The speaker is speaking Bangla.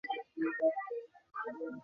তোমার বন্দুক নিচে রাখো!